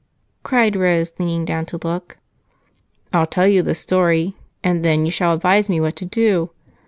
cried Rose, leaning down to look. "I'll tell you the story, and then you shall advise me what to do.